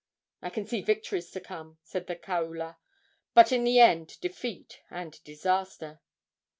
"I can see victories to come," said the kaula, "but in the end defeat and disaster."